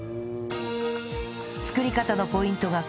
作り方のポイントがこちら